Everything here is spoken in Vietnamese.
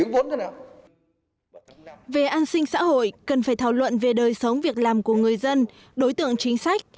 về an sinh xã hội cần phải thảo luận về đời sống việc làm của người dân đối tượng chính sách